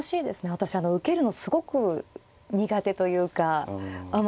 私受けるのすごく苦手というかあまり好きではない。